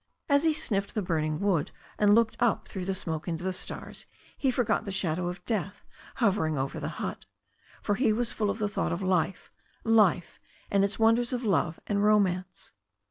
As he sniffed the burning wood, and looked up through the smoke into the stars, he forgot the shadow of death hovering over the hut. For he was full of the thought of life, life and its wonders of love and romance.